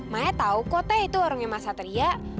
maya tahu kok teh itu warungnya mazhatria